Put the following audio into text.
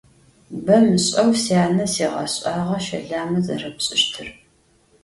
Bemış'eu syane siğeş'ağe şelame zerepş'ıştır.